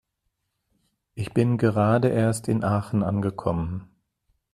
Ich bin gerade erst in Aachen angekommen